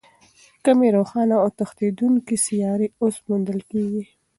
کمې روښانه او تښتېدونکې سیارې اوس موندل کېږي.